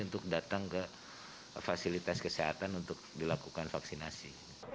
untuk datang ke fasilitas kesehatan untuk dilakukan vaksinasi